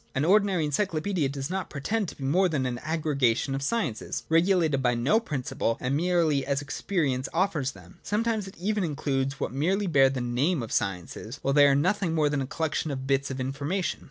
An ordinary encyclopaedia does not pretend to be more than an aggregation of sciences, regulated by no principle, and merely ds experience offers them. Sometimes it even includes what merely bear the name of sciences, while they are nothing more than a collection of bits of in formation.